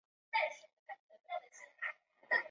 这是世界终结之路。